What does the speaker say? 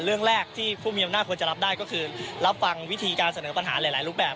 เรื่องแรกที่ผู้มีอำนาจควรจะรับได้ก็คือรับฟังวิธีการเสนอปัญหาหลายรูปแบบ